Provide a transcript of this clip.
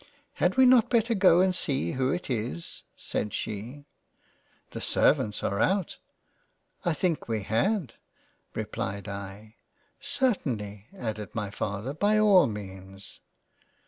" Had we not better go and see who it is ? (said she) the servants are out." " I think we had." (replied I.) " Cer tainly, (added my Father) by all means."